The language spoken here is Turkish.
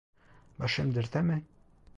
Başım dertte mi?